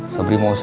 sobri mau usaha